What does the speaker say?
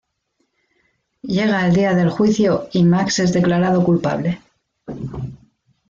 Llega el día del juicio y Max es declarado culpable.